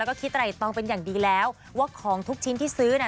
แล้วก็คิดอะไรตองเป็นอย่างดีแล้วว่าของทุกชิ้นที่ซื้อน่ะ